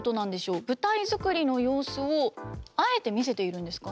舞台作りの様子をあえて見せているんですか？